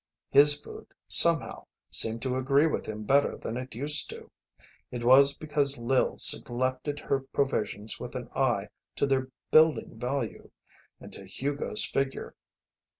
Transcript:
His food, somehow, seemed to agree with him better than it used to. It was because Lil selected her provisions with an eye to their building value, and to Hugo's figure.